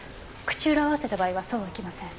口裏を合わせた場合はそうはいきません。